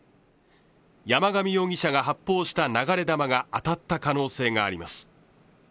山上容疑者が発砲した流れ弾が当たった可能性があります。